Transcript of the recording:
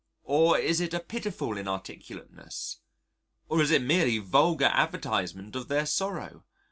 Or is it a pitiful inarticulateness? Or is it merely vulgar advertisement of their sorrow?